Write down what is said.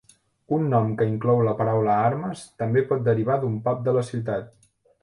Un nom que inclou la paraula "armes" també pot derivar d'un pub de la ciutat.